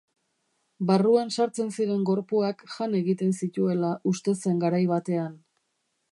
Barruan sartzen ziren gorpuak jan egiten zituela uste zen garai batean.